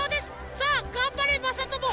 さあがんばれまさとも！